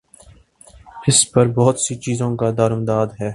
اس پر بہت سی چیزوں کا دارومدار ہے۔